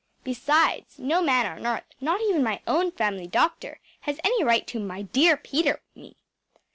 Besides, no man on earth, not even my own family doctor, has any right to “My dear Peter‚ÄĚ me!